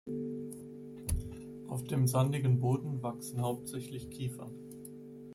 Auf dem sandigen Boden wachsen hauptsächlich Kiefern.